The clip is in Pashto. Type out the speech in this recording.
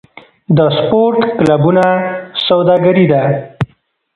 د سپورت کلبونه سوداګري ده؟